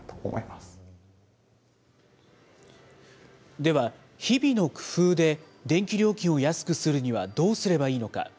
では、日々の工夫で電気料金を安くするにはどうすればいいのか。